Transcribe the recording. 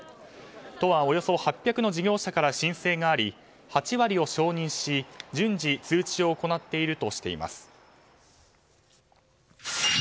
都はおよそ８００の事業者から申請があり８割を承認し、順次通知を行っているとしています。